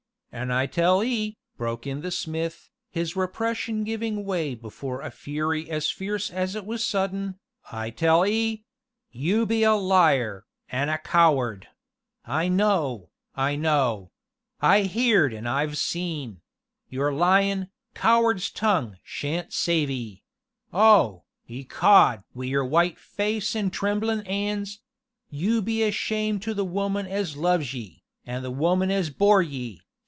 "An' I tell 'ee," broke in the smith, his repression giving way before a fury as fierce as it was sudden, "I tell 'ee you be a liar, an' a coward I know, I know I've heerd an' I've seen your lyin', coward's tongue sha'n't save 'ee oh, ecod! wi' your white face an' tremblin' 'ands you be a shame to the woman as loves ye, an' the woman as bore ye!